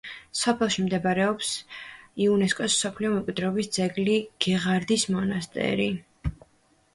სოფელში მდებარეობს იუნესკოს მსოფლიო მემკვიდრეობის ძეგლი გეღარდის მონასტერი.